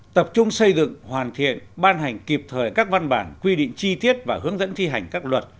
tập trung xây dựng hoàn thiện ban hành kịp thời các văn bản quy định chi tiết và hướng dẫn thi hành các luật